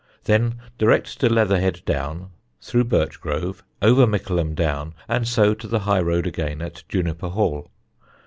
Then direct to Leatherhead Down, through Birchgrove, over Mickleham Down, and so to the high road again at Juniper Hall.